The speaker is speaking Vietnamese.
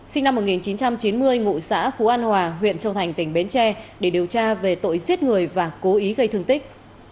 sinh năm một nghìn chín trăm chín mươi ngụ xã phú an hòa huyện châu thành tỉnh bến tre để điều tra về tội giết người và cố ý gây thương tích